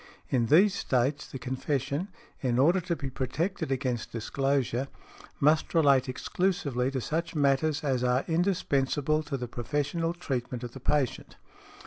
In these States the confession, in order to be protected against disclosure, must relate exclusively to such matters as are indispensable to the professional treatment of the patient.